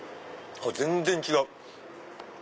全然違う。